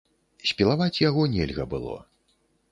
Спілаваць яго нельга было.